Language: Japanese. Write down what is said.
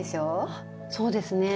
あそうですね。